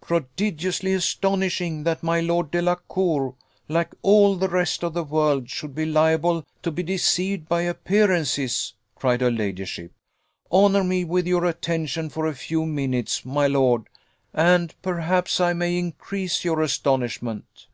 "Prodigiously astonishing, that my Lord Delacour, like all the rest of the world, should be liable to be deceived by appearances," cried her ladyship. "Honour me with your attention for a few minutes, my lord, and perhaps I may increase your astonishment."